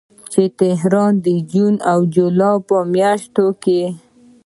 چې تهران د جون او جولای په میاشتو کې